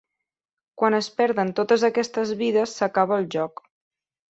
Quan es perden totes aquestes vides, s'acaba el joc.